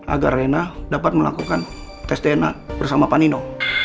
agar reina dapat melakukan tes dna bersama pak nino